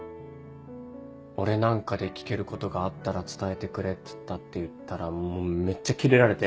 「俺なんかで聞けることがあったら伝えてくれっつった」って言ったらもうめっちゃキレられて。